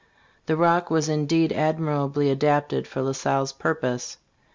"f The Rock was indeed admirably adapted for La Salle's purpose.